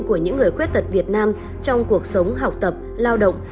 của những người khuyết tật việt nam trong cuộc sống học tập lao động